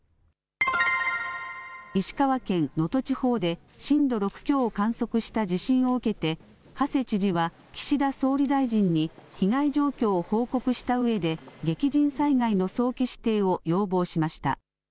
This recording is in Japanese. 石川県能登地方で震度６強を観測した地震を受けて馳知事は岸田総理大臣に被害状況を報告したうえで激甚災害の早期指定を要望しました。